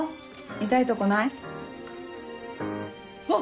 痛いとこない？あっ！